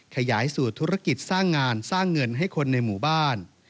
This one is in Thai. ขยายสูตรธุรกิจสร้างงานสร้างเงินให้คนในหมู่บ้าน